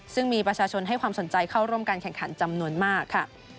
ซึ่งมีประชาชนให้ความสนใจเข้าร่วมการแข่งขันจำนวนมากค่ะ